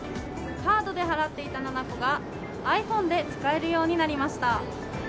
カードで払っていたｎａｎａｃｏがｉＰｈｏｎｅで使えるようになりました。